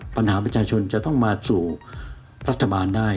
ประชาชนจะต้องมาสู่รัฐบาลได้